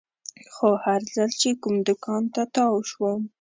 خو هر ځل چې کوم دوکان ته تاو شوم.